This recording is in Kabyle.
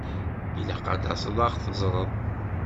Ilaq ad taseḍ ad ɣ-teẓṛeḍ!